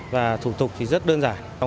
và thủ tục thì rất đơn giản